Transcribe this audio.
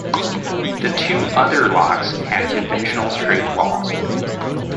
The two other locks had conventional straight walls.